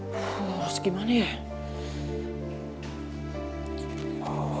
terus gimana ya